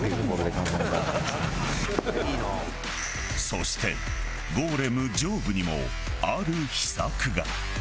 そしてゴーレム上部にもある秘策が。